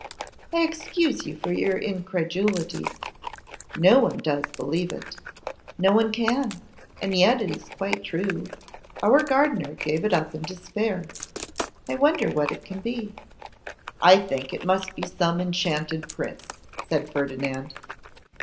'I excuse you for your incredulity; no one does believe it; no one can; and yet it is quite true. Our gardener gave it up in despair. I wonder what it can be.' 'I think it must be some enchanted prince,' said Ferdinand.